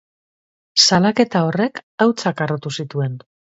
Salaketa horrek hautsak harrotu zituen.